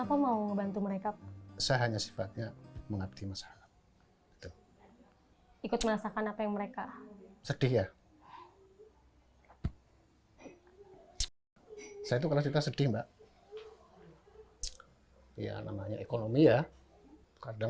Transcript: aku juga memang sembarang